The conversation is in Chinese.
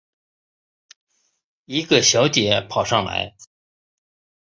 一个小姐跑上来